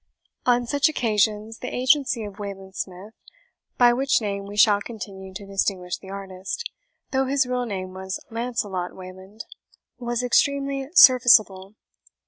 On such occasions the agency of Wayland Smith (by which name we shall continue to distinguish the artist, though his real name was Lancelot Wayland) was extremely serviceable.